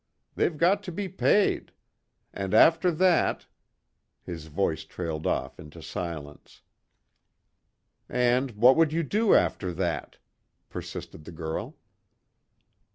They've got to be paid. And after that " His voice trailed off into silence. "And what would you do after that?" persisted the girl.